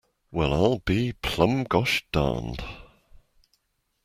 Well, I'll be plumb gosh darned.